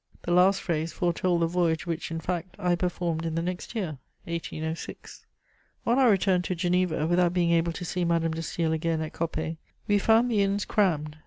The last phrase foretold the voyage which, in fact, I performed in the next year, 1806. [Sidenote: The Comte de Forbin.] On our return to Geneva, without being able to see Madame de Staël again at Coppet, we found the inns crammed.